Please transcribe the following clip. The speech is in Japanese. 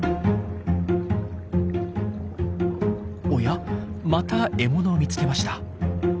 おやまた獲物を見つけました。